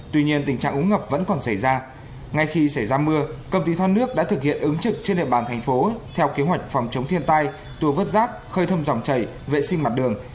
tuy nhiên tình trạng ống ngập vẫn còn xảy ra ngay khi xảy ra mưa công ty thoát nước đã thực hiện ứng trực trên địa bàn thành phố theo kế hoạch phòng chống thiên tai tùa vớt rác khơi thông dòng chảy vệ sinh mặt đường